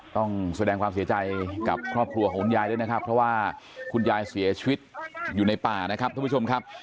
ต้องแสดงความเสียใจกับครอบครัวของคุณยายด้วยนะครับเพราะว่าคุณยายเสียชีวิตอยู่ในป่านะครับท่านผู้ชมครับ